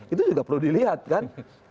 itu juga perlu dilihat kan